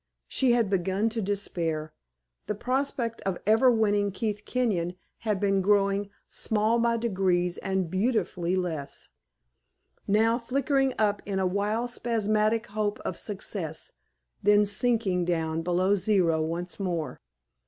She had begun to despair; the prospect of ever winning Keith Kenyon had been growing "small by degrees and beautifully less," now flickering up in a wild spasmodic hope of success, then sinking down below zero once more.